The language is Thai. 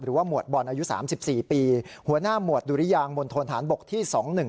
หรือว่าหมวดบ่อนอายุ๓๔ปีหัวหน้าหมวดดุริยางบนโทรธานบกที่๒๑๐